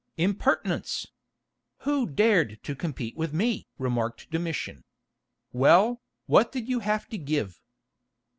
"Impertinence! Who dared to compete with me?" remarked Domitian. "Well, what did you have to give?"